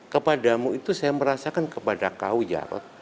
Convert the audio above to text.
kepadamu itu saya merasakan kepada kau jarod